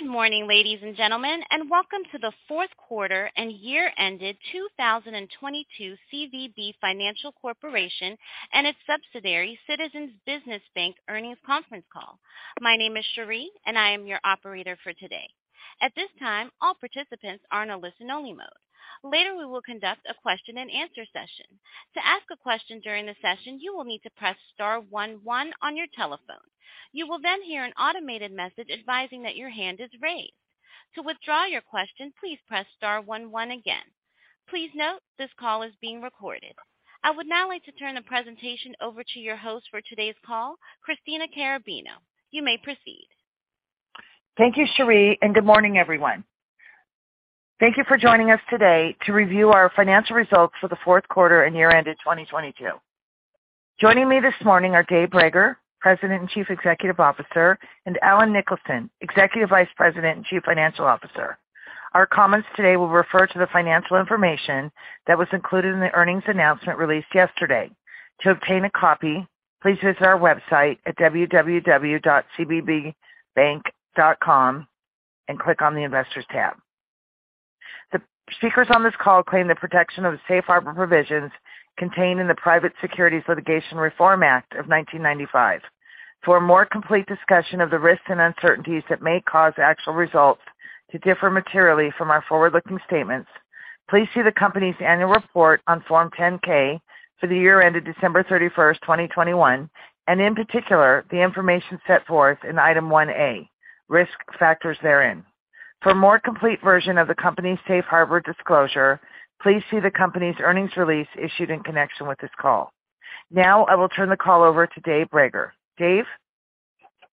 Good morning, ladies and gentlemen, and welcome to the Fourth Quarter and Year-Ended 2022 CVB Financial Corp. and its subsidiary, Citizens Business Bank earnings conference call. My name is Cherie and I am your operator for today. At this time, all participants are in a listen-only mode. Later, we will conduct a question and answer session. To ask a question during the session, you will need to press star one one on your telephone. You will then hear an automated message advising that your hand is raised. To withdraw your question, please press star one one again. Please note this call is being recorded. I would now like to turn the presentation over to your host for today's call, Christina Carrabino. You may proceed. Thank you, Cherie, good morning, everyone. Thank you for joining us today to review our financial results for the Fourth Quarter and Year-Ended 2022. Joining me this morning are Dave Brager, President and Chief Executive Officer, and Allen Nicholson, Executive Vice President and Chief Financial Officer. Our comments today will refer to the financial information that was included in the earnings announcement released yesterday. To obtain a copy, please visit our website at www.cvbbank.com and click on the Investors tab. The speakers on this call claim the protection of the safe harbor provisions contained in the Private Securities Litigation Reform Act of 1995. For a more complete discussion of the risks and uncertainties that may cause actual results to differ materially from our forward-looking statements, please see the company's annual report on Form 10-K for the year ended December 31st, 2021, and in particular, the information set forth in Item 1A, Risk Factors therein. For a more complete version of the company's safe harbor disclosure, please see the company's earnings release issued in connection with this call. Now I will turn the call over to Dave Brager. Dave?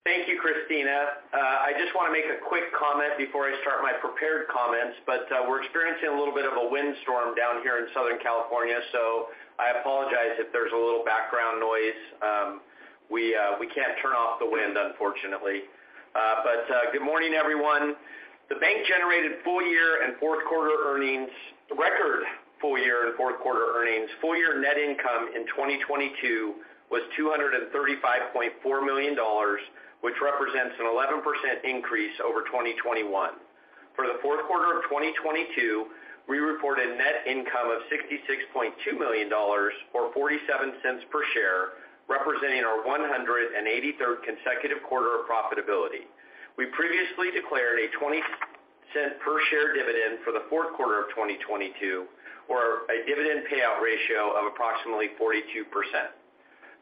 Thank you, Christina. I just want to make a quick comment before I start my prepared comments, we're experiencing a little bit of a windstorm down here in Southern California, so I apologize if there's a little background noise. We can't turn off the wind, unfortunately. Good morning, everyone. The bank generated record full year and fourth quarter earnings. Full year net income in 2022 was $235.4 million, which represents an 11% increase over 2021. For the fourth quarter of 2022, we reported net income of $66.2 million or $0.47 per share, representing our 183rd consecutive quarter of profitability. We previously declared a $0.20 per share dividend for the fourth quarter of 2022 or a dividend payout ratio of approximately 42%.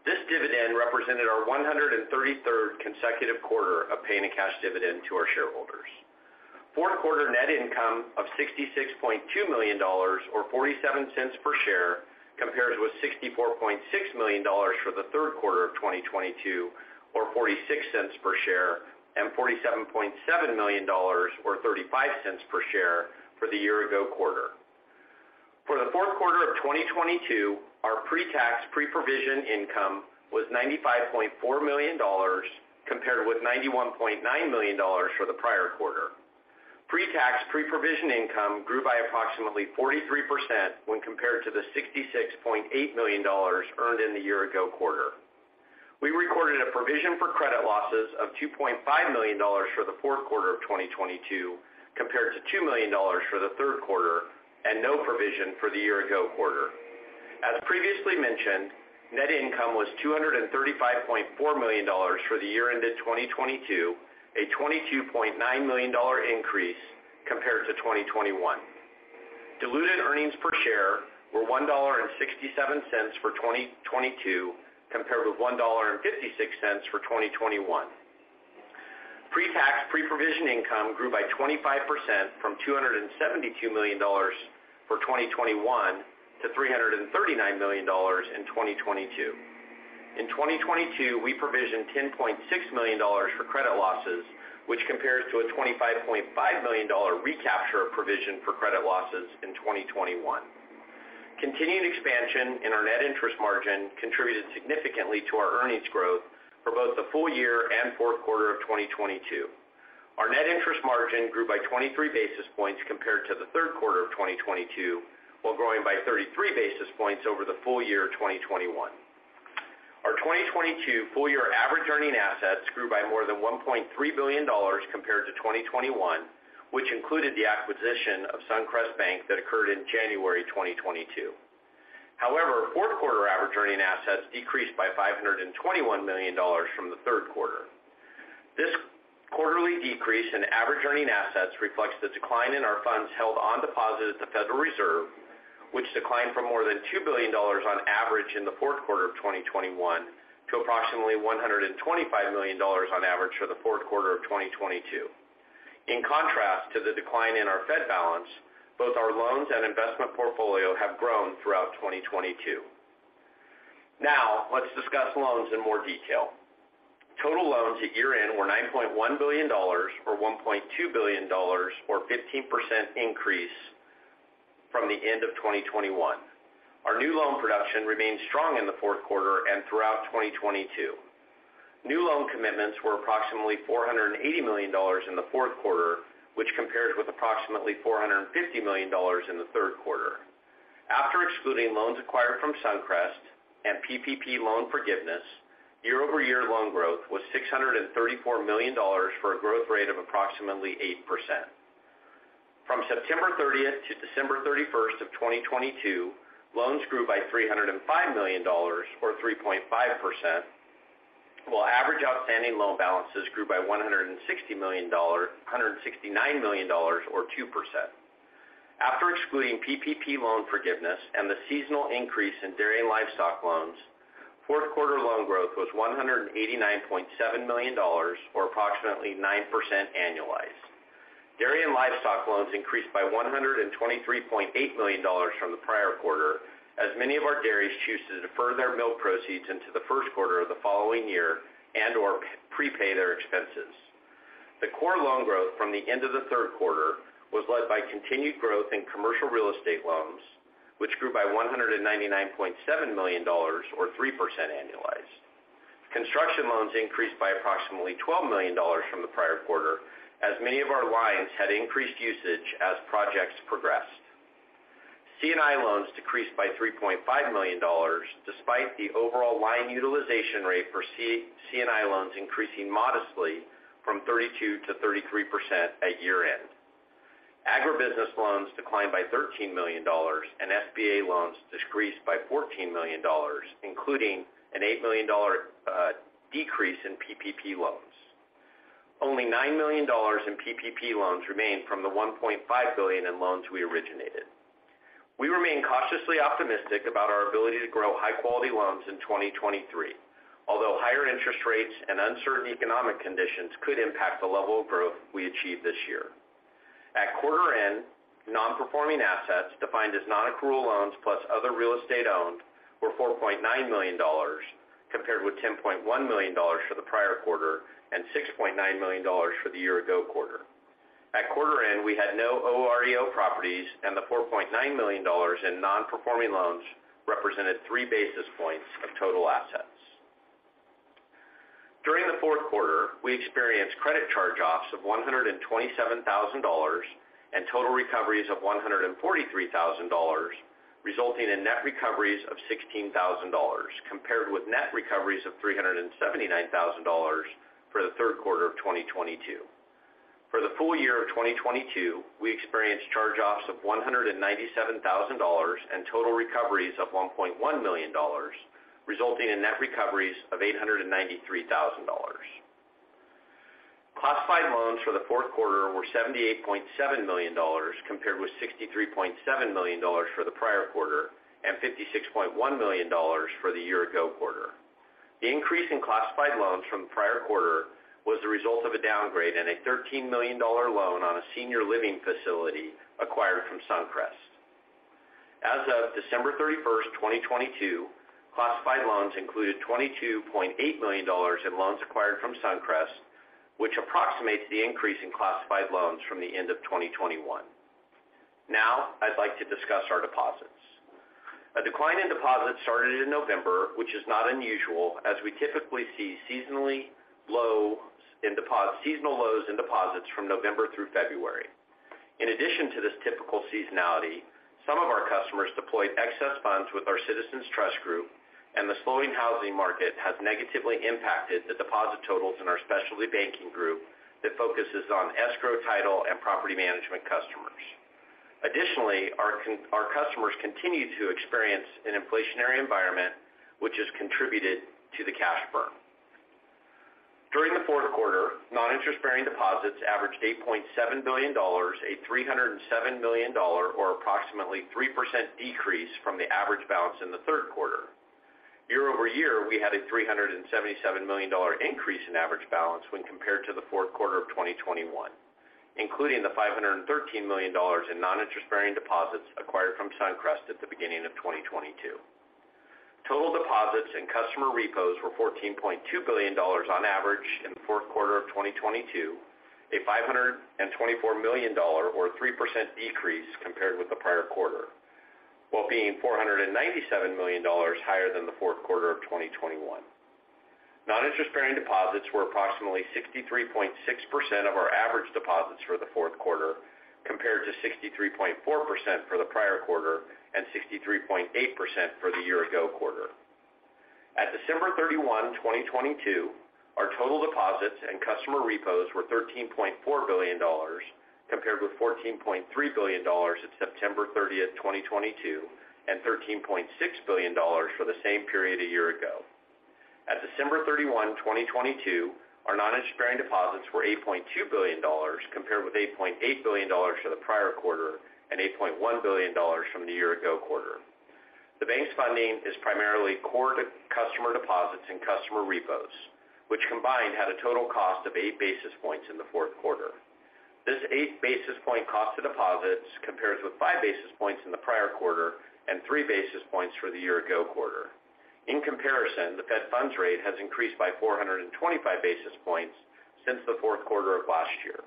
This dividend represented our 133rd consecutive quarter of paying a cash dividend to our shareholders. Fourth quarter net income of $66.2 million or $0.47 per share compares with $64.6 million for the third quarter of 2022 or $0.46 per share, and $47.7 million or $0.35 per share for the year-ago quarter. For the fourth quarter of 2022, our pre-tax pre-provision income was $95.4 million compared with $91.9 million for the prior quarter. Pre-tax pre-provision income grew by approximately 43% when compared to the $66.8 million earned in the year-ago quarter. We recorded a provision for credit losses of $2.5 million for the fourth quarter of 2022, compared to $2 million for the third quarter and no provision for the year ago quarter. As previously mentioned, net income was $235.4 million for the year ended 2022, a $22.9 million increase compared to 2021. Diluted earnings per share were $1.67 for 2022, compared with $1.56 for 2021. Pre-tax pre-provision income grew by 25% from $272 million for 2021 to $339 million in 2022. In 2022, we provisioned $10.6 million for credit losses, which compares to a $25.5 million recapture of provision for credit losses in 2021. Continued expansion in our net interest margin contributed significantly to our earnings growth for both the full year and fourth quarter of 2022. Our net interest margin grew by 23 basis points compared to the third quarter of 2022, while growing by 33 basis points over the full year of 2021. Our 2022 full year average earning assets grew by more than $1.3 billion compared to 2021, which included the acquisition of Suncrest Bank that occurred in January 2022. However, fourth quarter average earning assets decreased by $521 million from the third quarter. This quarterly decrease in average earning assets reflects the decline in our funds held on deposit at the Federal Reserve, which declined from more than $2 billion on average in the fourth quarter of 2021 to approximately $125 million on average for the fourth quarter of 2022. In contrast to the decline in our Fed balance, both our loans and investment portfolio have grown throughout 2022. Let's discuss loans in more detail. Total loans at year-end were $9.1 billion or $1.2 billion, or 15% increase from the end of 2021. Our new loan production remained strong in the fourth quarter and throughout 2022. New loan commitments were approximately $480 million in the fourth quarter. Compares with approximately $450 million in the third quarter. After excluding loans acquired from Suncrest and PPP loan forgiveness, year-over-year loan growth was $634 million for a growth rate of approximately 8%. From September thirtieth to December thirty-first of 2022, loans grew by $305 million or 3.5%, while average outstanding loan balances grew by $169 million or 2%. After excluding PPP loan forgiveness and the seasonal increase in dairy and livestock loans, fourth quarter loan growth was $189.7 million or approximately 9% annualized. Dairy and livestock loans increased by $123.8 million from the prior quarter, as many of our dairies choose to defer their milk proceeds into the first quarter of the following year and or pre-pay their expenses. The core loan growth from the end of the third quarter was led by continued growth in commercial real estate loans, which grew by $199.7 million or 3% annualized. Construction loans increased by approximately $12 million from the prior quarter, as many of our lines had increased usage as projects progressed. C&I loans decreased by $3.5 million, despite the overall line utilization rate for C&I loans increasing modestly from 32%-33% at year-end. Agribusiness loans declined by $13 million and SBA loans decreased by $14 million, including an $8 million decrease in PPP loans. Only $9 million in PPP loans remained from the $1.5 billion in loans we originated. We remain cautiously optimistic about our ability to grow high quality loans in 2023, although higher interest rates and uncertain economic conditions could impact the level of growth we achieve this year. At quarter end, non-performing assets defined as non-accrual loans plus other real estate owned were $4.9 million, compared with $10.1 million for the prior quarter and $6.9 million for the year ago quarter. At quarter end, we had no OREO properties, and the $4.9 million in non-performing loans represented 3 basis points of total assets. During the fourth quarter, we experienced credit charge-offs of $127,000 and total recoveries of $143,000, resulting in net recoveries of $16,000, compared with net recoveries of $379,000 for the third quarter of 2022. For the full year of 2022, we experienced charge-offs of $197,000 and total recoveries of $1.1 million, resulting in net recoveries of $893,000. Classified loans for the fourth quarter were $78.7 million, compared with $63.7 million for the prior quarter and $56.1 million for the year ago quarter. The increase in classified loans from the prior quarter was the result of a downgrade in a $13 million loan on a senior living facility acquired from Suncrest. As of December 31st, 2022, classified loans included $22.8 million in loans acquired from Suncrest, which approximates the increase in classified loans from the end of 2021. I'd like to discuss our deposits. A decline in deposits started in November, which is not unusual as we typically see seasonal lows in deposits from November through February. In addition to this typical seasonality, some of our customers deployed excess funds with our Citizens Trust group. The slowing housing market has negatively impacted the deposit totals in our specialty banking group that focuses on escrow, title, and property management customers. Additionally, our customers continue to experience an inflationary environment which has contributed to the cash burn. During the fourth quarter, non-interest-bearing deposits averaged $8.7 billion, a $307 million or approximately 3% decrease from the average balance in the third quarter. Year-over-year, we had a $377 million increase in average balance when compared to the fourth quarter of 2021, including the $513 million in non-interest-bearing deposits acquired from Suncrest at the beginning of 2022. Total deposits and customer repos were $14.2 billion on average in the fourth quarter of 2022, a $524 million or 3% decrease compared with the prior quarter, while being $497 million higher than the fourth quarter of 2021. Non-interest-bearing deposits were approximately 63.6% of our average deposits for the fourth quarter, compared to 63.4% for the prior quarter and 63.8% for the year ago quarter. At December 31, 2022, our total deposits and customer repos were $13.4 billion, compared with $14.3 billion at September 30th, 2022, and $13.6 billion for the same period a year ago. At December 31, 2022, our non-interest-bearing deposits were $8.2 billion, compared with $8.8 billion for the prior quarter and $8.1 billion from the year ago quarter. The bank's funding is primarily core to customer deposits and customer repos, which combined had a total cost of 8 basis points in the fourth quarter. This 8 basis point cost of deposits compares with 5 basis points in the prior quarter and 3 basis points for the year ago quarter. The Fed funds rate has increased by 425 basis points since the fourth quarter of last year.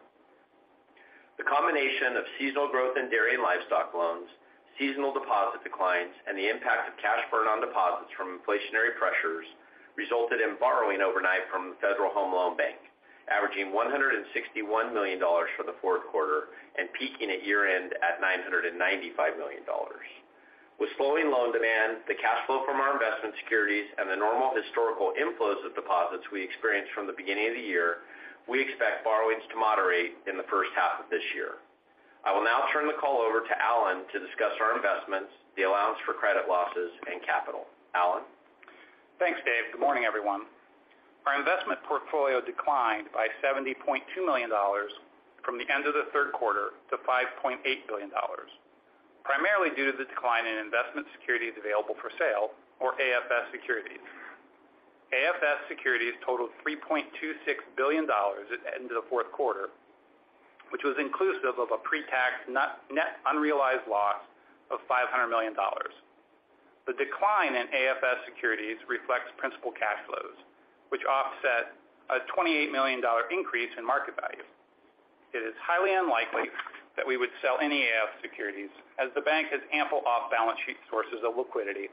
The combination of seasonal growth in dairy and livestock loans seasonal deposit declines and the impact of cash burn on deposits from inflationary pressures resulted in borrowing overnight from the Federal Home Loan Bank, averaging $161 million for the fourth quarter and peaking at year-end at $995 million. Slowing loan demand, the cash flow from our investment securities, and the normal historical inflows of deposits we experienced from the beginning of the year, we expect borrowings to moderate in the first half of this year. I will now turn the call over to Allen to discuss our investments, the allowance for credit losses, and capital. Allen? Thanks, Dave. Good morning, everyone. Our investment portfolio declined by $70.2 million from the end of the third quarter to $5.8 billion, primarily due to the decline in investment securities available for sale or AFS securities. AFS securities totaled $3.26 billion at the end of the fourth quarter, which was inclusive of a pretax net unrealized loss of $500 million. The decline in AFS securities reflects principal cash flows, which offset a $28 million increase in market value. It is highly unlikely that we would sell any AFS securities as the bank has ample off-balance sheet sources of liquidity,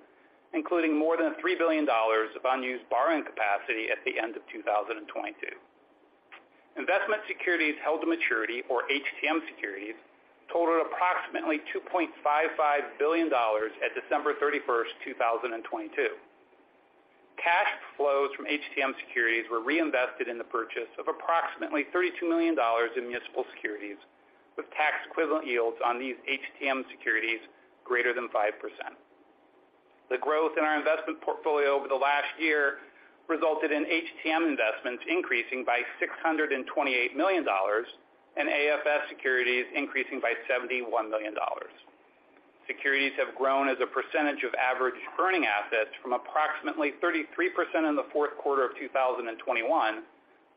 including more than $3 billion of unused borrowing capacity at the end of 2022. Investment securities held to maturity or HTM securities totaled approximately $2.55 billion at December 31, 2022. Cash flows from HTM securities were reinvested in the purchase of approximately $32 million in municipal securities, with tax-equivalent yields on these HTM securities greater than 5%. The growth in our investment portfolio over the last year resulted in HTM investments increasing by $628 million and AFS securities increasing by $71 million. Securities have grown as a percentage of average earning assets from approximately 33% in the fourth quarter of 2021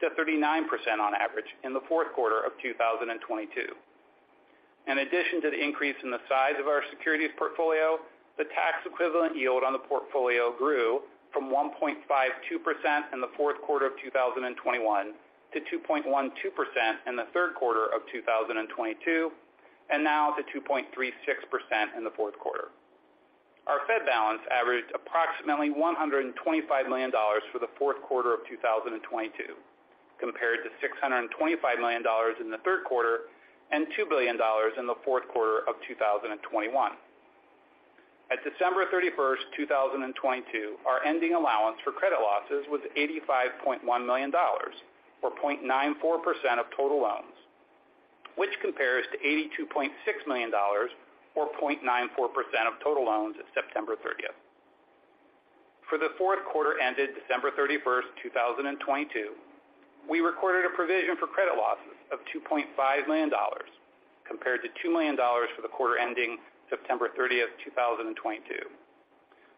to 39% on average in the fourth quarter of 2022. In addition to the increase in the size of our securities portfolio, the tax-equivalent yield on the portfolio grew from 1.52% in the fourth quarter of 2021 to 2.12% in the third quarter of 2022, and now to 2.36% in the fourth quarter. Our Fed balance averaged approximately $125 million for the fourth quarter of 2022 compared to $625 million in the third quarter and $2 billion in the fourth quarter of 2021. At December 31st, 2022, our ending allowance for credit losses was $85.1 million or 0.94% of total loans, which compares to $82.6 million or 0.94% of total loans at September 30th. For the fourth quarter ended December 31st, 2022, we recorded a provision for credit losses of $2.5 million compared to $2 million for the quarter ending September 30th, 2022.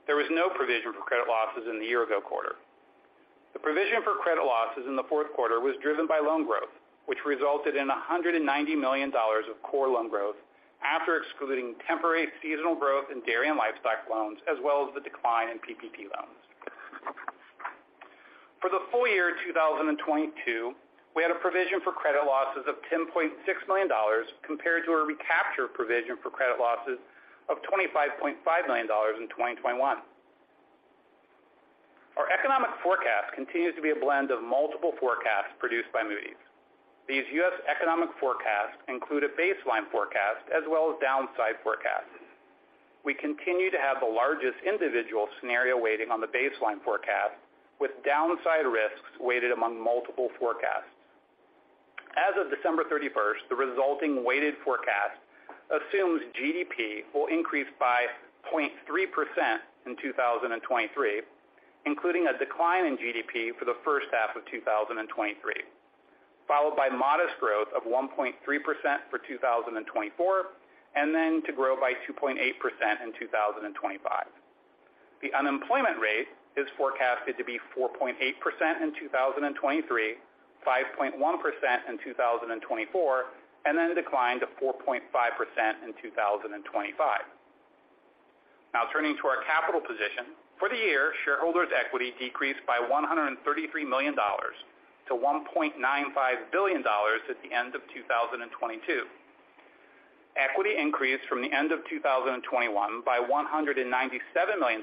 There was no provision for credit losses in the year ago quarter. The provision for credit losses in the fourth quarter was driven by loan growth, which resulted in $190 million of core loan growth after excluding temporary seasonal growth in dairy and livestock loans, as well as the decline in PPP loans. For the full year 2022, we had a provision for credit losses of $10.6 million compared to a recapture provision for credit losses of $25.5 million in 2021. Our economic forecast continues to be a blend of multiple forecasts produced by Moody's. These U.S. economic forecasts include a baseline forecast as well as downside forecasts. We continue to have the largest individual scenario weighting on the baseline forecast, with downside risks weighted among multiple forecasts. As of December 31st, the resulting weighted forecast assumes GDP will increase by 0.3% in 2023, including a decline in GDP for the first half of 2023, followed by modest growth of 1.3% for 2024, and then to grow by 2.8% in 2025. The unemployment rate is forecasted to be 4.8% in 2023, 5.1% in 2024, and then a decline to 4.5% in 2025. Turning to our capital position. For the year, shareholders' equity decreased by $133 million to $1.95 billion at the end of 2022. Equity increased from the end of 2021 by $197 million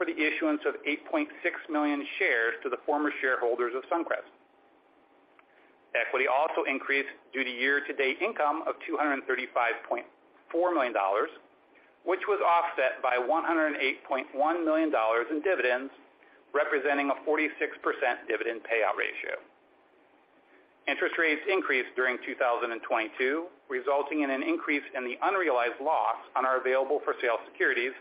for the issuance of 8.6 million shares to the former shareholders of Suncrest. Equity also increased due to year-to-date income of $235.4 million, which was offset by $108.1 million in dividends, representing a 46% dividend payout ratio. Interest rates increased during 2022, resulting in an increase in the unrealized loss on our available for sale securities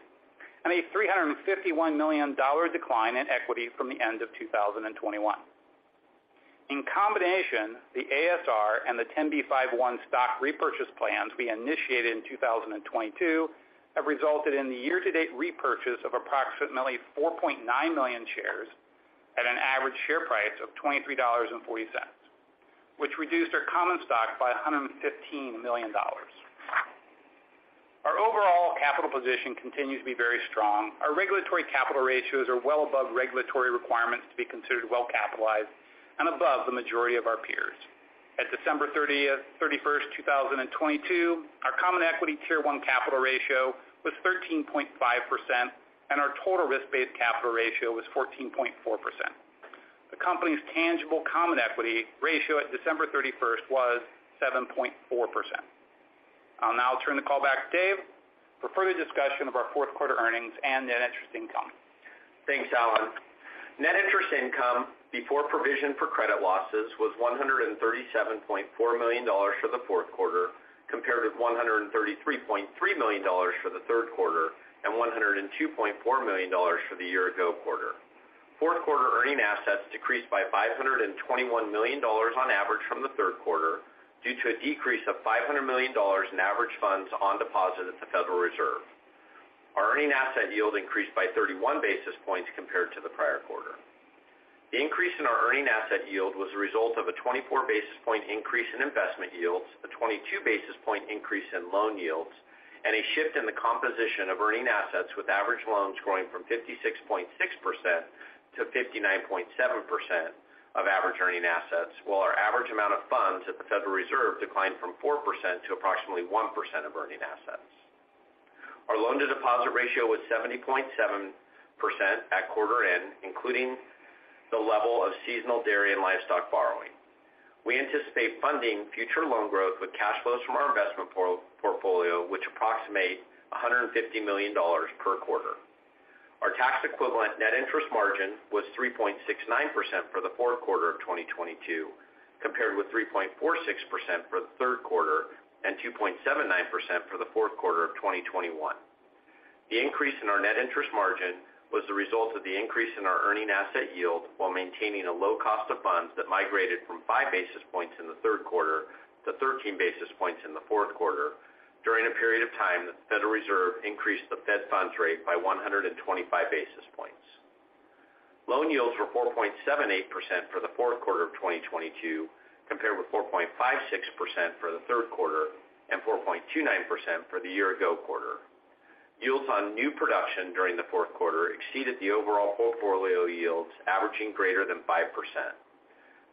and a $351 million decline in equity from the end of 2021. In combination, the ASR and the 10b5-1 stock repurchase plans we initiated in 2022 have resulted in the year to date repurchase of approximately 4.9 million shares at an average share price of $23.40, which reduced our common stock by $115 million. Our overall capital position continues to be very strong. Our regulatory capital ratios are well above regulatory requirements to be considered well capitalized and above the majority of our peers. At December 31st, 2022, our Common Equity Tier 1 capital ratio was 13.5% and our total risk-based capital ratio was 14.4%. The company's tangible common equity ratio at December 31st was 7.4%. I'll now turn the call back to Dave for further discussion of our fourth quarter earnings and net interest income. Thanks, Allen. Net interest income before provision for credit losses was $137.4 million for the fourth quarter compared with $133.3 million for the third quarter and $102.4 million for the year-ago quarter. Fourth quarter earning assets decreased by $521 million on average from the third quarter due to a decrease of $500 million in average funds on deposit at the Federal Reserve. Our earning asset yield increased by 31 basis points compared to the prior quarter. The increase in our earning asset yield was a result of a 24 basis point increase in investment yields, a 22 basis point increase in loan yields, and a shift in the composition of earning assets, with average loans growing from 56.6% to 59.7% of average earning assets, while our average amount of funds at the Federal Reserve declined from 4% to approximately 1% of earning assets. Our loan-to-deposit ratio was 70.7% at quarter end, including the level of seasonal dairy and livestock borrowing. We anticipate funding future loan growth with cash flows from our investment portfolio, which approximate $150 million per quarter. Our tax-equivalent net interest margin was 3.69% for the fourth quarter of 2022, compared with 3.46% for the third quarter and 2.79% for the fourth quarter of 2021. The increase in our net interest margin was the result of the increase in our earning asset yield while maintaining a low cost of funds that migrated from 5 basis points in the third quarter to 13 basis points in the fourth quarter during a period of time that the Federal Reserve increased the Fed funds rate by 125 basis points. Loan yields were 4.78% for the fourth quarter of 2022, compared with 4.56% for the third quarter and 4.29% for the year ago quarter. Yields on new production during the fourth quarter exceeded the overall portfolio yields averaging greater than 5%.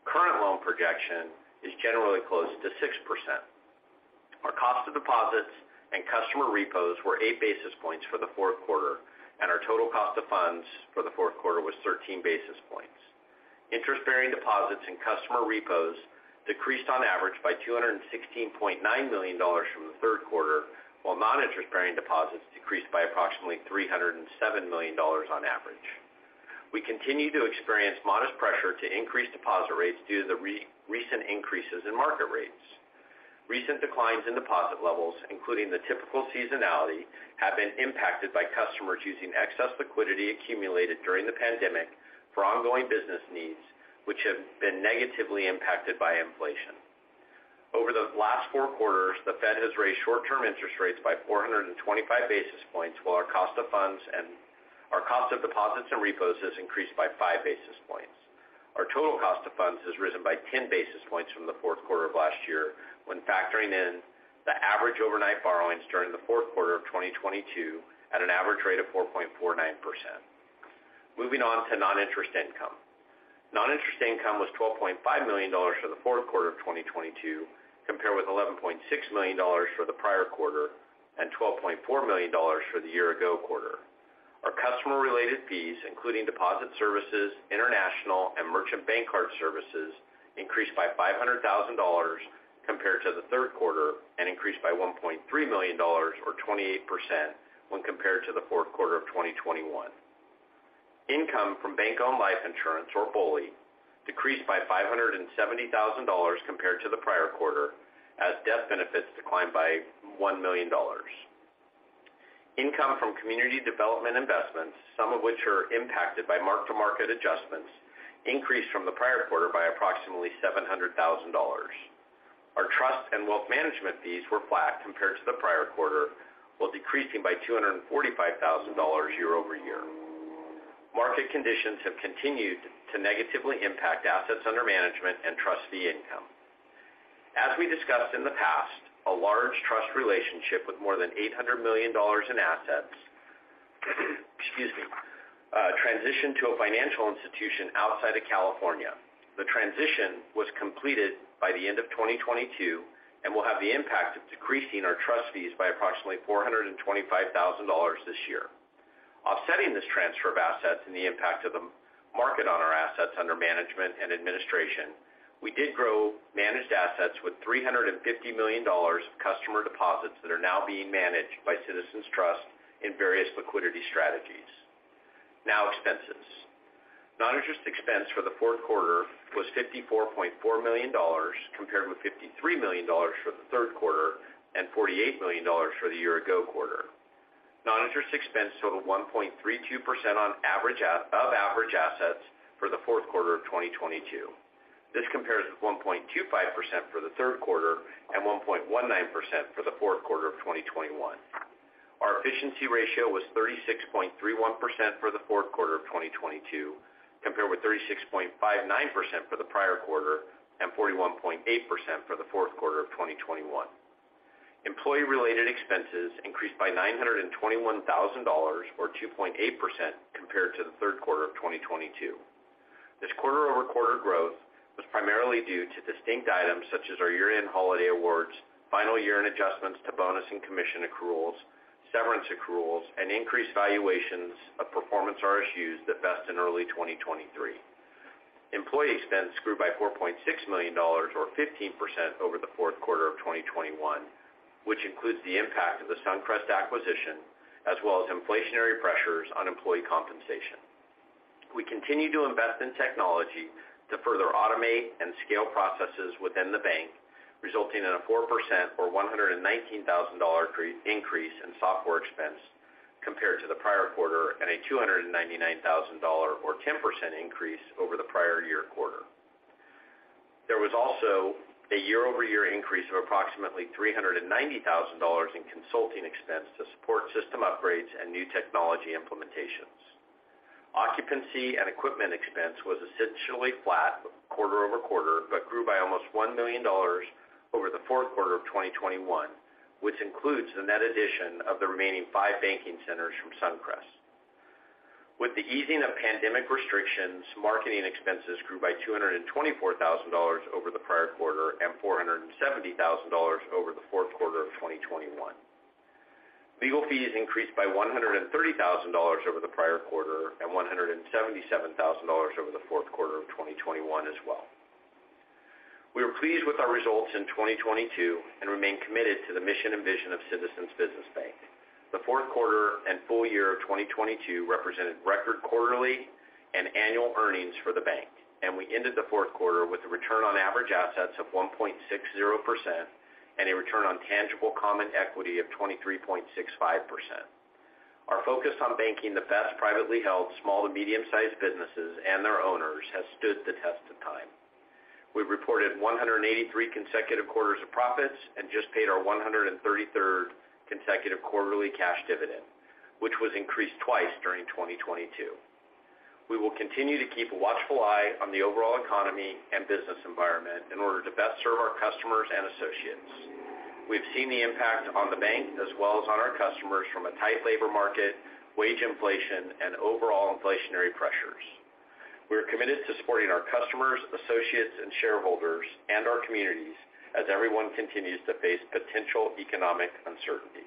Current loan projection is generally close to 6%. Our cost of deposits and customer repos were 8 basis points for the fourth quarter, and our total cost of funds for the fourth quarter was 13 basis points. Interest-bearing deposits and customer repos decreased on average by $216.9 million from the third quarter, while non-interest-bearing deposits decreased by approximately $307 million on average. We continue to experience modest pressure to increase deposit rates due to the recent increases in market rates. Recent declines in deposit levels, including the typical seasonality, have been impacted by customers using excess liquidity accumulated during the pandemic for ongoing business needs, which have been negatively impacted by inflation. Over the last four quarters, the Fed has raised short-term interest rates by 425 basis points while our cost of deposits and repos has increased by 5 basis points. Our total cost of funds has risen by 10 basis points from the fourth quarter of last year when factoring in the average overnight borrowings during the fourth quarter of 2022 at an average rate of 4.49%. Moving on to non-interest income. Non-interest income was $12.5 million for the fourth quarter of 2022, compared with $11.6 million for the prior quarter and $12.4 million for the year ago quarter. Our customer-related fees, including deposit services, international and merchant bank card services, increased by $500,000 compared to the third quarter and increased by $1.3 million or 28% when compared to the fourth quarter of 2021. Income from bank-owned life insurance, or BOLI, decreased by $570,000 compared to the prior quarter as death benefits declined by $1 million. Income from community development investments, some of which are impacted by mark-to-market adjustments, increased from the prior quarter by approximately $700,000. Our trust and wealth management fees were flat compared to the prior quarter, while decreasing by $245,000 year-over-year. Market conditions have continued to negatively impact assets under management and trust fee income. As we discussed in the past, a large trust relationship with more than $800 million in assets, excuse me, transitioned to a financial institution outside of California. The transition was completed by the end of 2022 and will have the impact of decreasing our trust fees by approximately $425,000 this year. Offsetting this transfer of assets and the impact of the market on our assets under management and administration, we did grow managed assets with $350 million of customer deposits that are now being managed by Citizens Trust in various liquidity strategies. Expenses. Non-interest expense for the fourth quarter was $54.4 million, compared with $53 million for the third quarter and $48 million for the year ago quarter. Non-interest expense total 1.32% on average of average assets for the fourth quarter of 2022. This compares with 1.25% for the third quarter and 1.19% for the fourth quarter of 2021. Our efficiency ratio was 36.31% for the fourth quarter of 2022, compared with 36.59% for the prior quarter and 41.8% for the fourth quarter of 2021. Employee-related expenses increased by $921,000 or 2.8% compared to the third quarter of 2022. This quarter-over-quarter growth was primarily due to distinct items such as our year-end holiday awards, final year-end adjustments to bonus and commission accruals, severance accruals, and increased valuations of performance RSUs that vest in early 2023. Employee expense grew by $4.6 million or 15% over the fourth quarter of 2021, which includes the impact of the Suncrest acquisition as well as inflationary pressures on employee compensation. We continue to invest in technology to further automate and scale processes within the bank, resulting in a 4% or $119,000 increase in software expense compared to the prior quarter and a $299,000 or 10% increase over the prior year quarter. There was also a year-over-year increase of approximately $390,000 in consulting expense to support system upgrades and new technology implementations. Occupancy and equipment expense was essentially flat quarter-over-quarter, but grew by almost $1 million over the fourth quarter of 2021, which includes the net addition of the remaining five banking centers from Suncrest. With the easing of pandemic restrictions, marketing expenses grew by $224,000 over the prior quarter and $470,000 over the fourth quarter of 2021. Legal fees increased by $130,000 over the prior quarter and $177,000 over the fourth quarter of 2021 as well. We were pleased with our results in 2022 and remain committed to the mission and vision of Citizens Business Bank. The fourth quarter and full year of 2022 represented record quarterly and annual earnings for the bank, and we ended the fourth quarter with a return on average assets of 1.60% and a return on tangible common equity of 23.65%. Our focus on banking the best privately held small to medium-sized businesses and their owners has stood the test of time. We've reported 183 consecutive quarters of profits and just paid our 133rd consecutive quarterly cash dividend, which was increased twice during 2022. We will continue to keep a watchful eye on the overall economy and business environment in order to best serve our customers and associates. We've seen the impact on the bank as well as on our customers from a tight labor market, wage inflation and overall inflationary pressures. We are committed to supporting our customers, associates and shareholders and our communities as everyone continues to face potential economic uncertainty.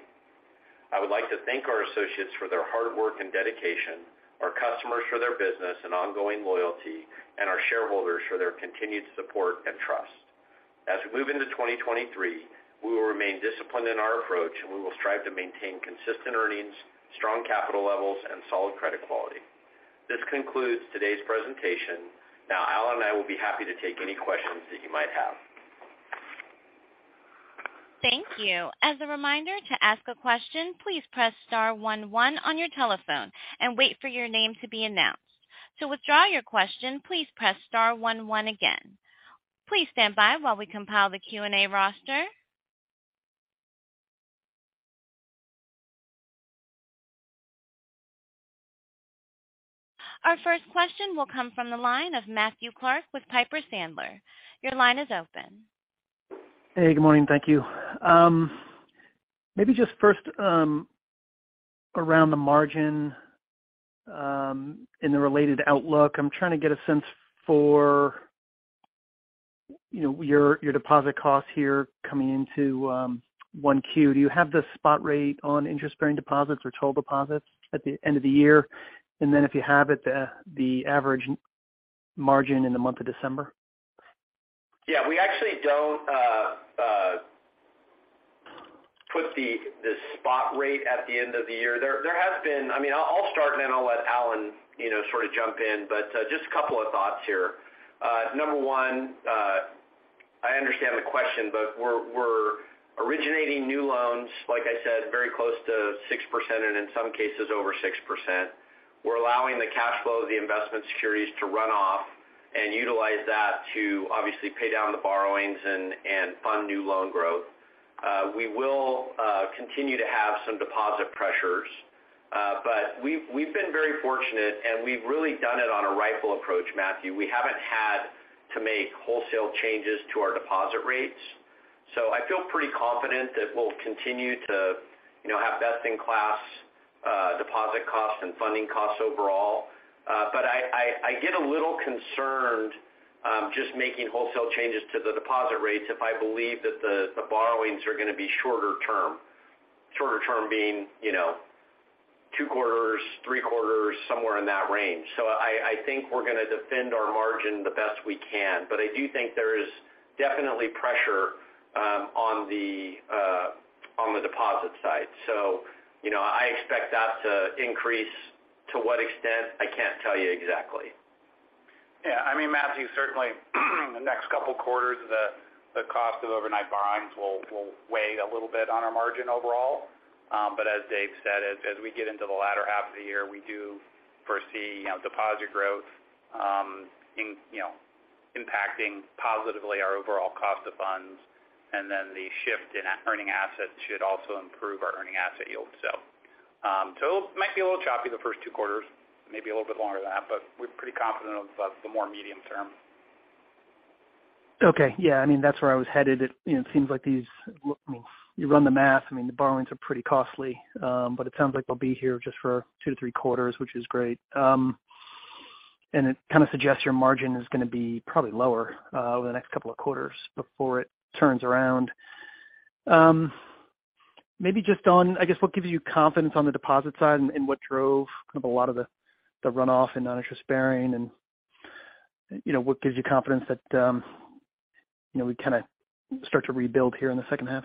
I would like to thank our associates for their hard work and dedication, our customers for their business and ongoing loyalty, and our shareholders for their continued support and trust. As we move into 2023, we will remain disciplined in our approach and we will strive to maintain consistent earnings, strong capital levels and solid credit quality. This concludes today's presentation. Allen and I will be happy to take any questions that you might have. Thank you. As a reminder, to ask a question, please press star one one on your telephone and wait for your name to be announced. To withdraw your question, please press star one one again. Please stand by while we compile the Q&A roster. Our first question will come from the line of Matthew Clark with Piper Sandler. Your line is open. Hey, good morning. Thank you. Maybe just first, around the margin, in the related outlook. I'm trying to get a sense for, you know, your deposit costs here coming into 1Q. Do you have the spot rate on interest-bearing deposits or total deposits at the end of the year? If you have it, the average margin in the month of December? Yeah, we actually don't put the spot rate at the end of the year. There has been. I mean, I'll start and then I'll let Allen, you know, sort of jump in. Just a couple of thoughts here. Number one, I understand the question, but we're originating new loans, like I said, very close to 6% and in some cases over 6%. We're allowing the cash flow of the investment securities to run off and utilize that to obviously pay down the borrowings and fund new loan growth. We will continue to have some deposit pressures. We've been very fortunate and we've really done it on a rifle approach, Matthew. We haven't had to make wholesale changes to our deposit rates. I feel pretty confident that we'll continue to, you know, have best-in-class deposit costs and funding costs overall. I get a little concerned just making wholesale changes to the deposit rates if I believe that the borrowings are going to be shorter term. Shorter term being, you know, two quarters, three quarters, somewhere in that range. I think we're going to defend our margin the best we can. I do think there is definitely pressure on the deposit side. You know, I expect that to increase. To what extent, I can't tell you exactly. Yeah. I mean, Matthew, certainly, the next couple quarters, the cost of overnight borrowings will weigh a little bit on our margin overall. As Dave said, as we get into the latter half of the year, we do foresee, you know, deposit growth, in, you know, impacting positively our overall cost of funds. The shift in earning assets should also improve our earning asset yield. It might be a little choppy the first two quarters, maybe a little bit longer than that, but we're pretty confident of the more medium term. Okay. Yeah, I mean, that's where I was headed. It, you know, seems like these, I mean, you run the math, I mean, the borrowings are pretty costly. It sounds like they'll be here just for two to three quarters, which is great. It kind of suggests your margin is gonna be probably lower, over the next couple of quarters before it turns around. Maybe just on, I guess, what gives you confidence on the deposit side and what drove kind of a lot of the runoff in non-interest bearing, you know, what gives you confidence that, you know, we kind of start to rebuild here in the second half?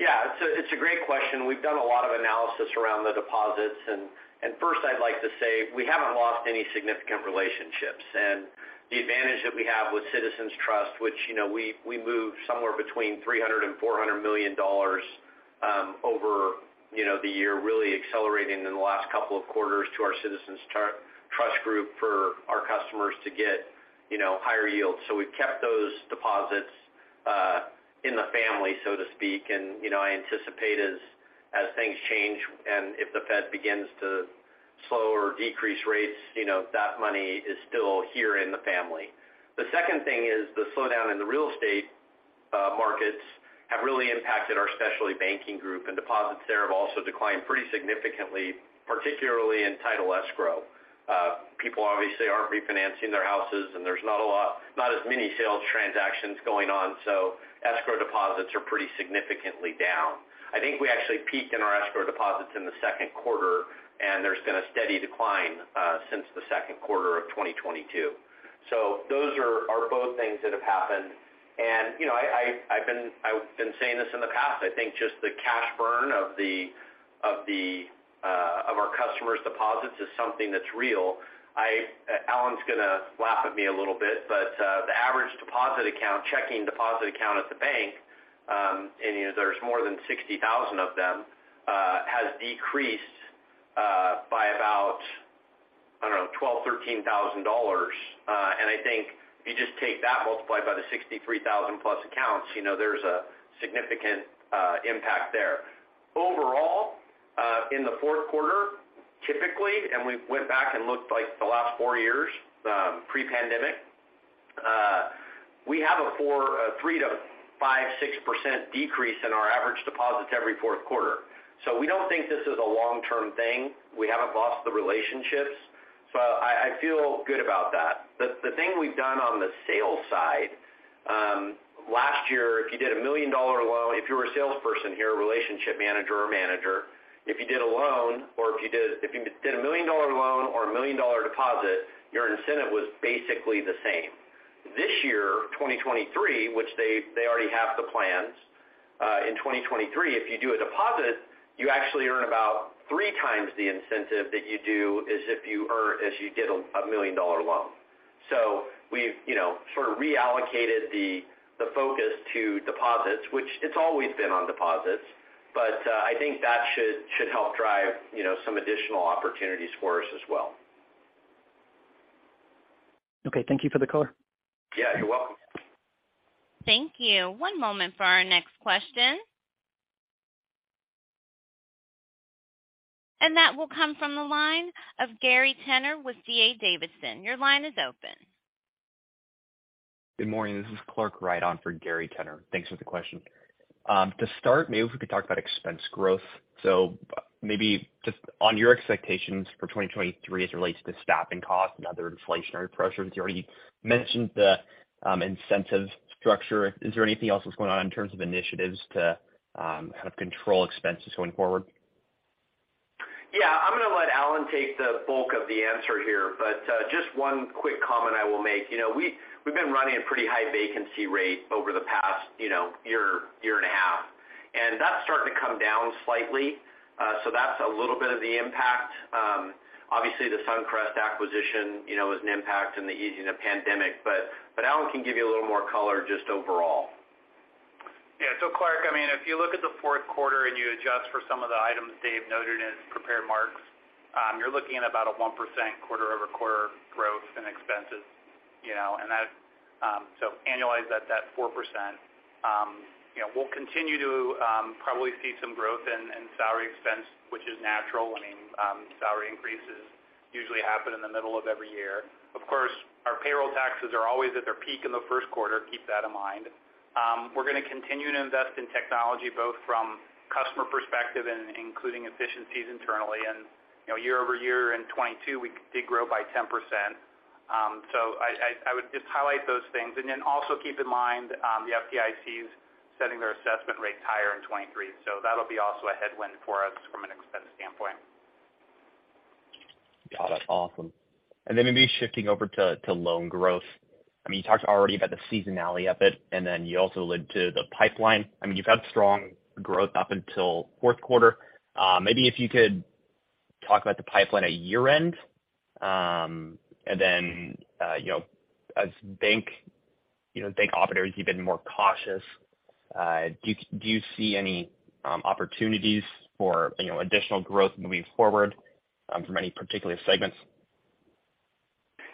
Yeah. It's a great question. We've done a lot of analysis around the deposits. First I'd like to say, we haven't lost any significant relationships. The advantage that we have with Citizens Trust, which, you know, we moved somewhere between $300 million-$400 million over, you know, the year, really accelerating in the last couple of quarters to our Citizens Trust group for our customers to get, you know, higher yields. We've kept those deposits in the family, so to speak. You know, I anticipate as things change and if the Fed begins to slow or decrease rates, you know, that money is still here in the family. The second thing is the slowdown in the real estate markets have really impacted our specialty banking group, and deposits there have also declined pretty significantly, particularly in title escrow. People obviously aren't refinancing their houses, and there's not as many sales transactions going on. Escrow deposits are pretty significantly down. I think we actually peaked in our escrow deposits in the second quarter, and there's been a steady decline since the second quarter of 2022. Those are both things that have happened. You know, I've been saying this in the past, I think just the cash burn of the of our customers' deposits is something that's real. Allen's gonna laugh at me a little bit. The average deposit account, checking deposit account at the bank, and, you know, there's more than 60,000 of them, has decreased by about, I don't know, $12,000-$13,000. I think if you just take that multiplied by the 63,000+ accounts, you know, there's a significant impact there. Overall, in the fourth quarter, typically, and we went back and looked like the last four years, pre-pandemic, we have a 3%-5%, 6% decrease in our average deposits every fourth quarter. We don't think this is a long-term thing. We haven't lost the relationships. I feel good about that. The thing we've done on the sales side, last year, if you did a $1 million loan, if you were a salesperson here, a relationship manager or manager, if you did a $1 million loan or a $1 million deposit, your incentive was basically the same. This year, 2023, which they already have the plans, in 2023, if you do a deposit, you actually earn about 3 times the incentive that you do as if you did a $1 million loan. So we've, you know, sort of reallocated the focus to deposits, which it's always been on deposits. But, I think that should help drive, you know, some additional opportunities for us as well. Okay. Thank you for the color. Yeah. You're welcome. Thank you. One moment for our next question. That will come from the line of Gary Tenner with D.A. Davidson. Your line is open. Good morning. This is Clark Wright for Gary Tenner. Thanks for the question. To start, maybe if we could talk about expense growth. Maybe just on your expectations for 2023 as it relates to staffing costs and other inflationary pressures. You already mentioned the incentive structure. Is there anything else that's going on in terms of initiatives to kind of control expenses going forward? Yeah. I'm gonna let Allen take the bulk of the answer here, but just one quick comment I will make. You know, we've been running a pretty high vacancy rate over the past, you know, year and a half, and that's starting to come down slightly. That's a little bit of the impact. Obviously, the Suncrest acquisition, you know, is an impact and the easing of pandemic. Allen can give you a little more color just overall. Clark, I mean, if you look at the fourth quarter and you adjust for some of the items Dave noted as prepared marks, you're looking at about a 1% quarter-over-quarter growth in expenses, you know. Annualized at that 4%. You know, we'll continue to probably see some growth in salary expense, which is natural, I mean, salary increases usually happen in the middle of every year. Of course, our payroll taxes are always at their peak in the first quarter. Keep that in mind. We're gonna continue to invest in technology, both from customer perspective and including efficiencies internally. You know, year-over-year in 2022, we did grow by 10%. I would just highlight those things. Also keep in mind, the FDIC is setting their assessment rates higher in 2023, so that'll be also a headwind for us from an expense standpoint. Got it. Awesome. Maybe shifting over to loan growth. I mean, you talked already about the seasonality of it, and then you also alluded to the pipeline. I mean, you've had strong growth up until fourth quarter. Maybe if you could talk about the pipeline at year-end. Then, you know, as bank operators, you've been more cautious. Do you see any opportunities for, you know, additional growth moving forward, from any particular segments?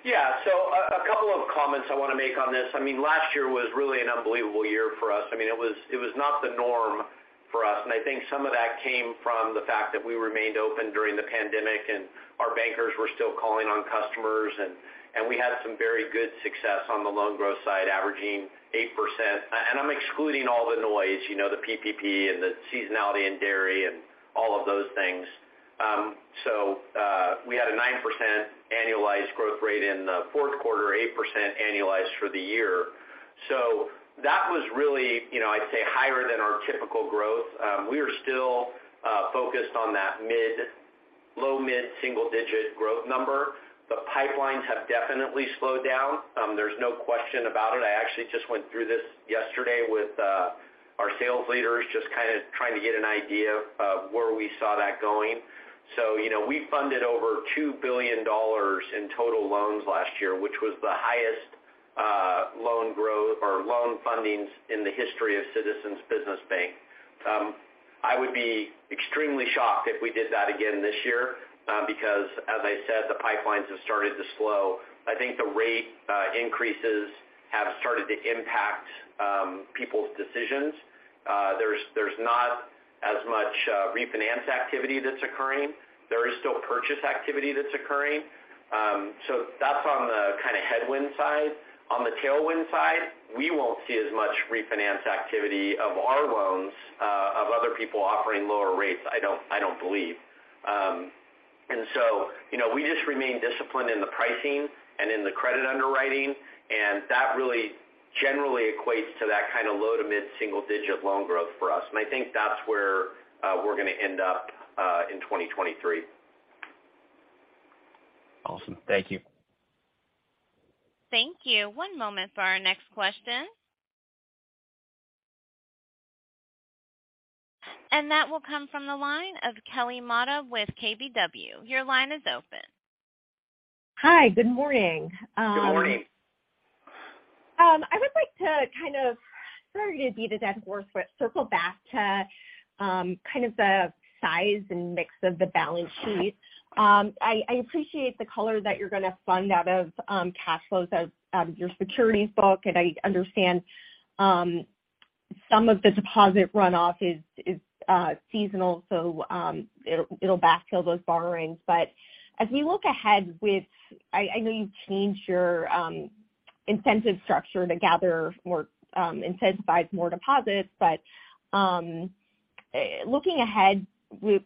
Yeah. A couple of comments I wanna make on this. I mean, last year was really an unbelievable year for us. I mean, it was not the norm for us. I think some of that came from the fact that we remained open during the pandemic and our bankers were still calling on customers and we had some very good success on the loan growth side, averaging 8%. I'm excluding all the noise, you know, the PPP and the seasonality in dairy and all of those things. We had a 9% annualized growth rate in the fourth quarter, 8% annualized for the year. That was really, you know, I'd say higher than our typical growth. We are still focused on that low mid single-digit growth number. The pipelines have definitely slowed down. There's no question about it. I actually just went through this yesterday with our sales leaders, just kind of trying to get an idea of where we saw that going. You know, we funded over $2 billion in total loans last year, which was the highest loan growth or loan fundings in the history of Citizens Business Bank. I would be extremely shocked if we did that again this year because as I said, the pipelines have started to slow. I think the rate increases have started to impact people's decisions. There's not as much refinance activity that's occurring. There is still purchase activity that's occurring. That's on the kind of headwind side. On the tailwind side, we won't see as much refinance activity of our loans, of other people offering lower rates, I don't believe. You know, we just remain disciplined in the pricing and in the credit underwriting, and that really generally equates to that kind of low to mid single digit loan growth for us. I think that's where we're going to end up in 2023. Awesome. Thank you. Thank you. One moment for our next question. That will come from the line of Kelly Motta with KBW. Your line is open. Hi. Good morning. Good morning. I would like to kind of, sorry to beat a dead horse, but circle back to kind of the size and mix of the balance sheet. I appreciate the color that you're going to fund out of cash flows out of your securities book. I understand some of the deposit runoff is seasonal, so it'll backfill those borrowings. As we look ahead I know you've changed your incentive structure to gather more incentivize more deposits. Looking ahead with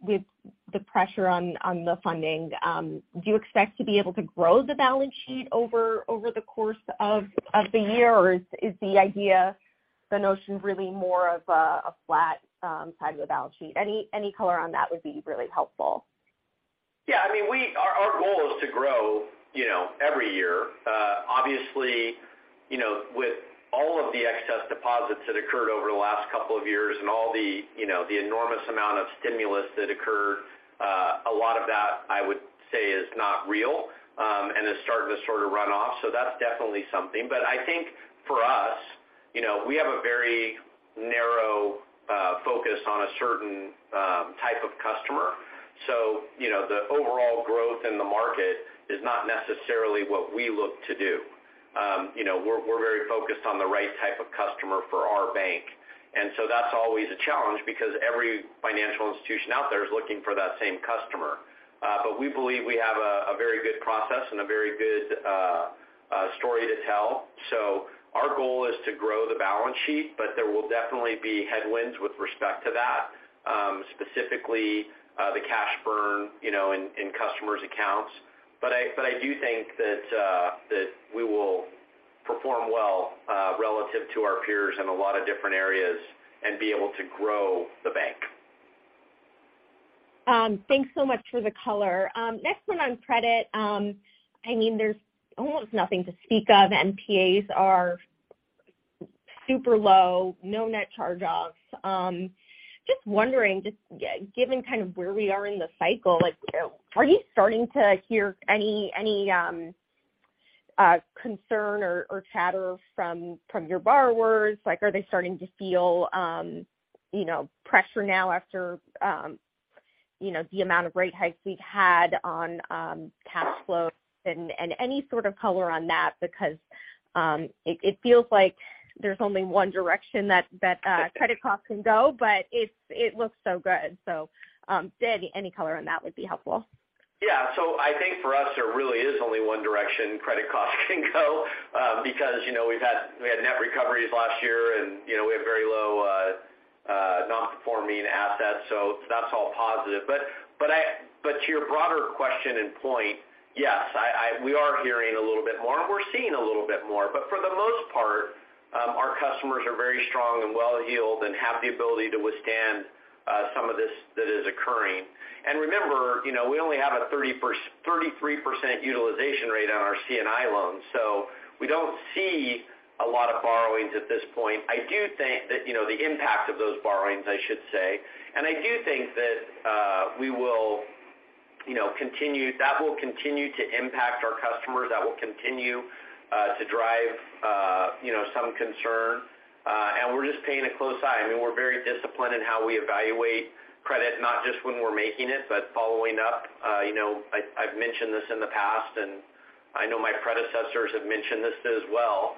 the pressure on the funding, do you expect to be able to grow the balance sheet over the course of the year? Or is the idea, the notion really more of a flat side of the balance sheet? Any color on that would be really helpful. Yeah. I mean, our goal is to grow, you know, every year. Obviously, you know, with all of the excess deposits that occurred over the last couple of years and all the, you know, the enormous amount of stimulus that occurred, a lot of that I would say is not real and is starting to sort of run off. That's definitely something. I think for us, you know, we have a very narrow focus on a certain type of customer. You know, the overall growth in the market is not necessarily what we look to do. You know, we're very focused on the right type of customer for our bank. That's always a challenge because every financial institution out there is looking for that same customer. We believe we have a very good process and a very good story to tell. Our goal is to grow the balance sheet, but there will definitely be headwinds with respect to that, specifically, the cash burn, you know, in customers' accounts. I do think that we will perform well, relative to our peers in a lot of different areas and be able to grow the bank. Thanks so much for the color. Next one on credit. I mean, there's almost nothing to speak of. NPAs are super low, no net charge-offs. Just wondering, just given kind of where we are in the cycle, like are you starting to hear any concern or chatter from your borrowers? Like, are they starting to feel, you know, pressure now after, you know, the amount of rate hikes we've had on cash flows? Any sort of color on that because it feels like there's only one direction that credit costs can go, but it looks so good. Just any color on that would be helpful. I think for us, there really is only one direction credit costs can go because, you know, we had net recoveries last year and, you know, we have very low non-performing assets. That's all positive. But to your broader question and point, yes, we are hearing a little bit more, and we're seeing a little bit more. For the most part, our customers are very strong and well-heeled and have the ability to withstand some of this that is occurring. Remember, you know, we only have a 33% utilization rate on our C&I loans, so we don't see a lot of borrowings at this point. I do think that, you know, the impact of those borrowings, I should say, and I do think that we will, you know, that will continue to impact our customers, that will continue to drive, you know, some concern. We're just paying a close eye. I mean, we're very disciplined in how we evaluate credit not just when we're making it, but following up. You know, I've mentioned this in the past, and I know my predecessors have mentioned this as well.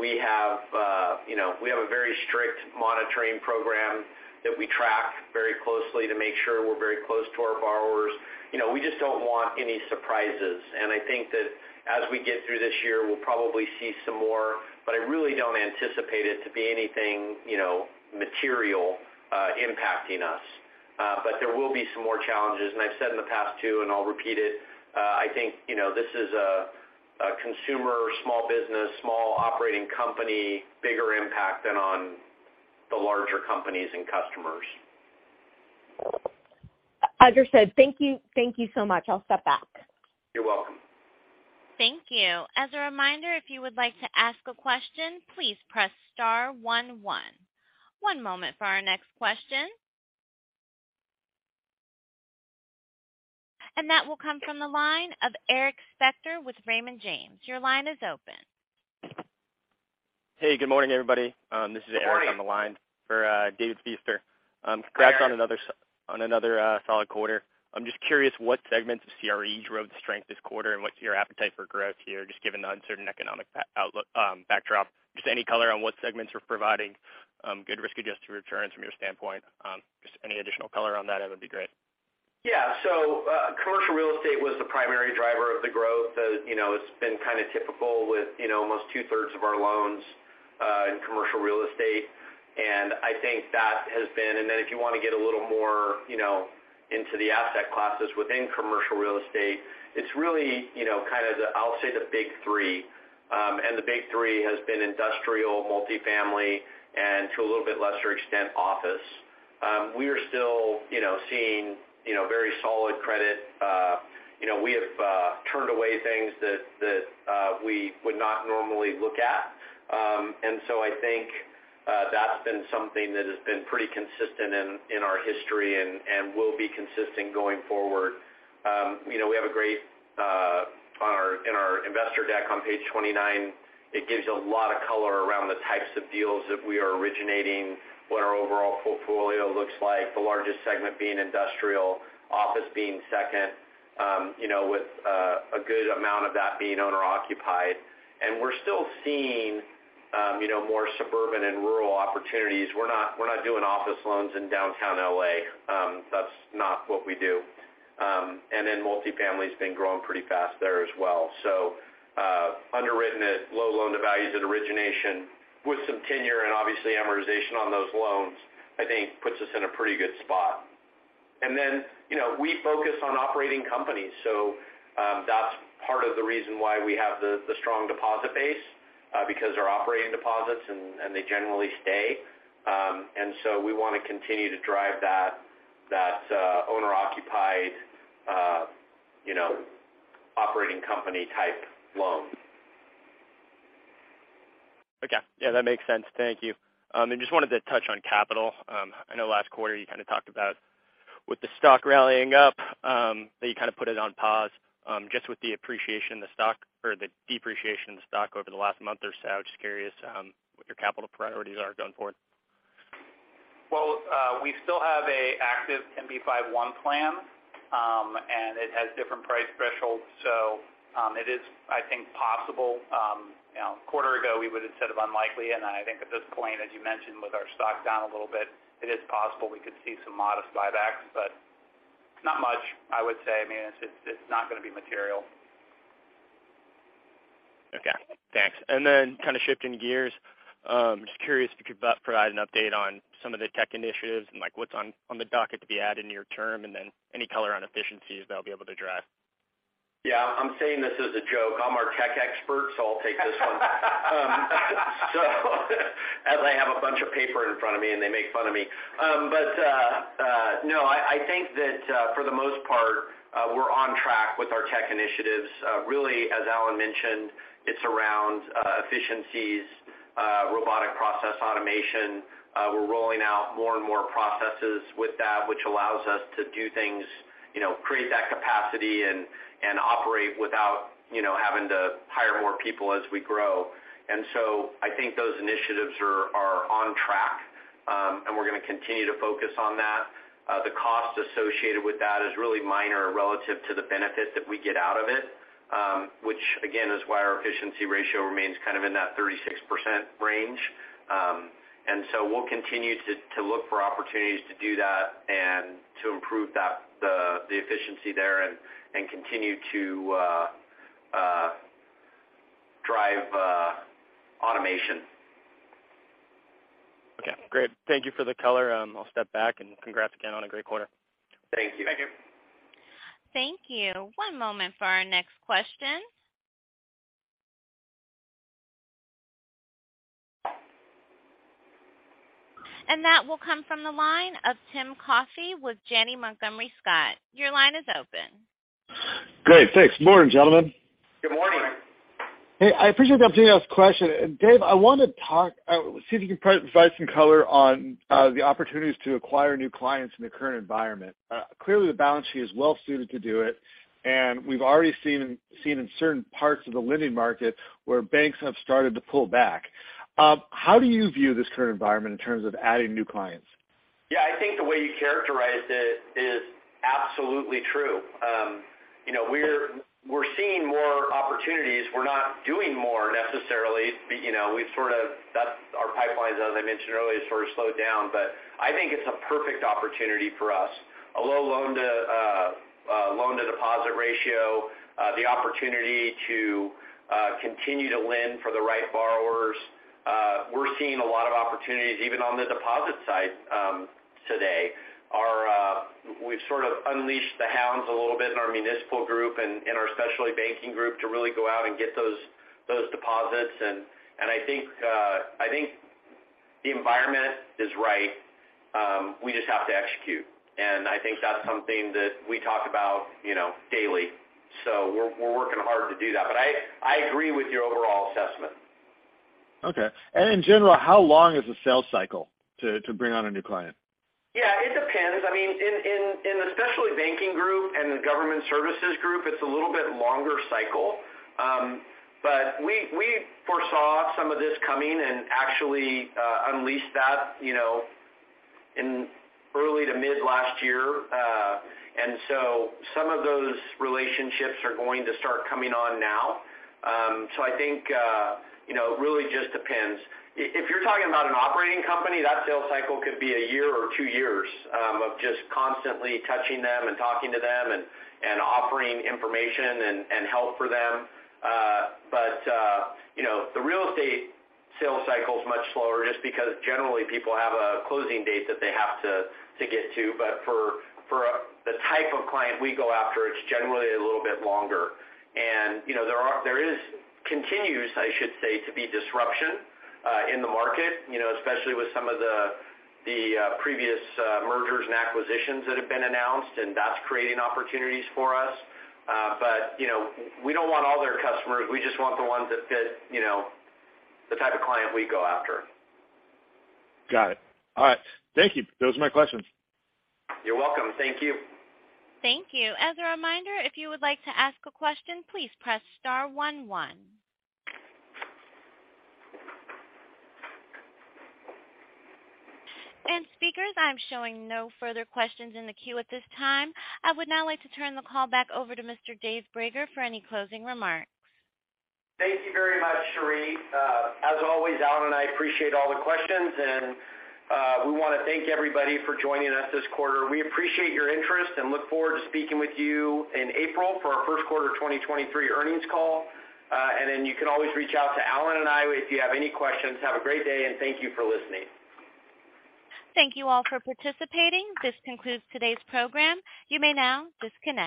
We have, you know, we have a very strict monitoring program that we track very closely to make sure we're very close to our borrowers. You know, we just don't want any surprises. I think that as we get through this year, we'll probably see some more, but I really don't anticipate it to be anything, you know, material impacting us. There will be some more challenges. I've said in the past too, and I'll repeat it. I think, you know, this is a consumer, small business, small operating company, bigger impact than on the larger companies and customers. Understood. Thank you. Thank you so much. I'll step back. You're welcome. Thank you. As a reminder, if you would like to ask a question, please press star one one. One moment for our next question. That will come from the line of Eric Spector with Raymond James. Your line is open. Hey, good morning, everybody. This is Eric. Good morning. on the line for, David Feaster. Hi, Eric. Congrats on another solid quarter. I'm just curious what segments of CRE drove the strength this quarter, and what's your appetite for growth here, just given the uncertain economic outlook, backdrop? Just any color on what segments are providing good risk-adjusted returns from your standpoint. Just any additional color on that would be great. Yeah. Commercial real estate was the primary driver of the growth. You know, it's been kind of typical with, you know, almost two-thirds of our loans in commercial real estate. If you wanna get a little more, you know, into the asset classes within commercial real estate, it's really, you know, kind of the, I'll say the big three. The big three has been industrial, multifamily, and to a little bit lesser extent, office. We are still, you know, seeing, you know, very solid credit. You know, we have turned away things that we would not normally look at. I think that's been something that has been pretty consistent in our history and will be consistent going forward. You know, we have a great, in our investor deck on page 29, it gives you a lot of color around the types of deals that we are originating, what our overall portfolio looks like, the largest segment being industrial, office being second, you know, with a good amount of that being owner-occupied. We're still seeing, you know, more suburban and rural opportunities. We're not doing office loans in downtown L.A. That's not what we do. Multifamily has been growing pretty fast there as well. Underwritten at low loan to values at origination with some tenure and obviously amortization on those loans, I think puts us in a pretty good spot. You know, we focus on operating companies. That's part of the reason why we have the strong deposit base, because they're operating deposits and they generally stay. We wanna continue to drive that, you know, owner-occupied, operating company type loan. Okay. Yeah, that makes sense. Thank you. Just wanted to touch on capital. I know last quarter you kind of talked about with the stock rallying up, that you kind of put it on pause. Just with the appreciation of the stock or the depreciation of the stock over the last month or so, just curious, what your capital priorities are going forward? Well, we still have an active 10b5-1 plan, and it has different price thresholds. It is, I think, possible. You know, a quarter ago, we would have said of unlikely. I think at this point, as you mentioned, with our stock down a little bit, it is possible we could see some modest buybacks, but not much, I would say. I mean, it's not gonna be material. Okay. Thanks. kind of shifting gears, just curious if you could provide an update on some of the tech initiatives and like what's on the docket to be added in your term, and then any color on efficiencies they'll be able to drive? Yeah. I'm saying this as a joke. I'm our tech expert, so I'll take this one. As I have a bunch of paper in front of me, and they make fun of me. No, I think that for the most part, we're on track with our tech initiatives. Really, as Allen mentioned, it's around efficiencies, Robotic Process Automation. We're rolling out more and more processes with that, which allows us to do things, you know, create that capacity and operate without, you know, having to hire more people as we grow. I think those initiatives are on track, and we're gonna continue to focus on that. The cost associated with that is really minor relative to the benefit that we get out of it, which again, is why our efficiency ratio remains kind of in that 36% range. We'll continue to look for opportunities to do that and to improve that, the efficiency there and continue to drive automation. Okay, great. Thank you for the color. I'll step back and congrats again on a great quarter. Thank you. Thank you. One moment for our next question. That will come from the line of Timothy Coffey with Janney Montgomery Scott. Your line is open. Great. Thanks. Morning, gentlemen. Good morning. Hey, I appreciate the opportunity to ask a question. Dave, I want to see if you can provide some color on the opportunities to acquire new clients in the current environment. Clearly, the balance sheet is well suited to do it, and we've already seen in certain parts of the lending market where banks have started to pull back. How do you view this current environment in terms of adding new clients? Yeah, I think the way you characterized it is absolutely true. You know, we're seeing more opportunities. We're not doing more necessarily, you know, our pipelines, as I mentioned earlier, sort of slowed down. I think it's a perfect opportunity for us. A low loan to loan to deposit ratio, the opportunity to continue to lend for the right borrowers. We're seeing a lot of opportunities even on the deposit side today. We've sort of unleashed the hounds a little bit in our municipal group and our specialty banking group to really go out and get those deposits. I think the environment is right, we just have to execute. I think that's something that we talk about, you know, daily. We're working hard to do that. I agree with your overall assessment. Okay. In general, how long is the sales cycle to bring on a new client? Yeah, it depends. I mean, in the specialty banking group and the government services group, it's a little bit longer cycle. We, we foresaw some of this coming and actually unleashed that, you know, in early to mid last year. Some of those relationships are going to start coming on now. I think, you know, it really just depends. If you're talking about an operating company, that sales cycle could be a year or two years, of just constantly touching them and talking to them and offering information and help for them. You know, the real estate sales cycle is much slower just because generally people have a closing date that they have to get to. For the type of client we go after, it's generally a little bit longer. You know, there is continues in the market, you know, especially with some of the previous mergers and acquisitions that have been announced, that's creating opportunities for us. You know, we don't want all their customers. We just want the ones that fit, you know, the type of client we go after. Got it. All right. Thank you. Those are my questions. You're welcome. Thank you. Thank you. As a reminder, if you would like to ask a question, please press star one one. Speakers, I'm showing no further questions in the queue at this time. I would now like to turn the call back over to Mr. Dave Brager for any closing remarks. Thank you very much, Cherie. As always, Allen and I appreciate all the questions, and we want to thank everybody for joining us this quarter. We appreciate your interest and look forward to speaking with you in April for our first quarter 2023 earnings call. Then you can always reach out to Allen and I if you have any questions. Have a great day, and thank you for listening. Thank you all for participating. This concludes today's program. You may now disconnect.